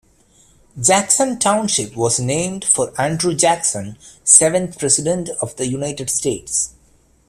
Jackson Township was named for Andrew Jackson, seventh President of the United States.